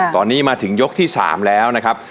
ตอนนี้มาถึงยกที่๓แล้วนะครับ